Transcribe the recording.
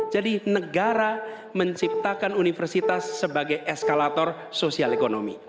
jadi negara menciptakan universitas sebagai eskalator sosial ekonomi